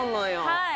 はい。